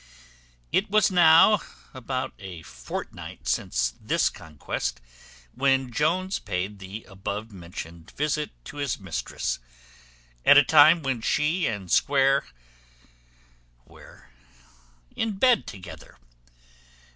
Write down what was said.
It was now about a fortnight since this conquest, when Jones paid the above mentioned visit to his mistress, at a time when she and Square were in bed together.